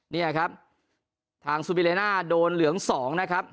นี่แหละครับทางสุมิเลน่าโดนเหลืองสองนะครับ